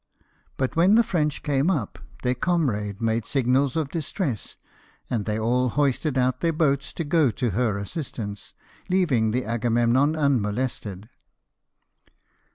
But when the French came up, their comrade made signals of distress, and they all hoisted out their boats to go to her assistance, leaving the Agavievmon unmolested.